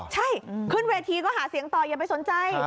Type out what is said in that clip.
ใช่ขึ้นเวทีก็หาเสียงต่ออย่าไปสนใจ